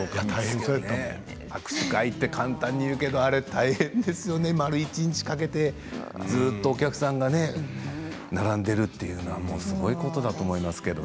握手会と簡単に言うけど大変ですよね、丸一日かけてずっとお客さんがね並んでいるというのはすごいことだと思いますけど。